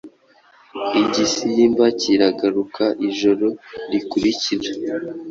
Igisimba kiragaruka ijoro rikurikira